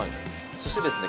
そしてですね